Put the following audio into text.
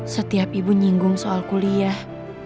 setiap ibu nyinggung soal kuliah